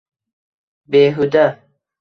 Behuda